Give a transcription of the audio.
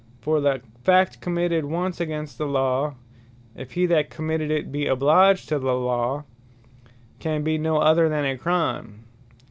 For the fact committed once against the Law, if he that committed it be obliged to the Law, can be no other than a Crime.